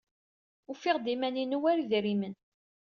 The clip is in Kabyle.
Ufiɣ-d iman-inu war idrimen.